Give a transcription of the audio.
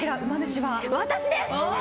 私です！